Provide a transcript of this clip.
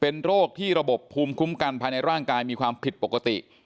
เป็นโรคที่ระบบภูมิคุ้มกันภายในร่างกายมีความผิดปกติ